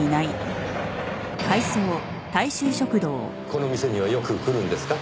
この店にはよく来るんですか？